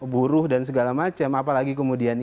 buruh dan segala macam apalagi kemudian